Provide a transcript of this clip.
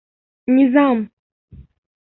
Низам!